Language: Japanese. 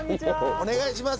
お願いします。